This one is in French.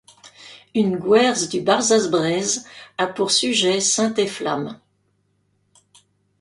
Une gwerz du Barzaz Breiz a pour sujet saint Efflamm.